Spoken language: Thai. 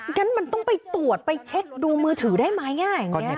งั้นมันต้องไปตรวจไปเช็คดูมือถือได้ไหม